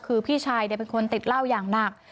คือพี่ชายเป็นคนติดเหล้าอย่างหนัก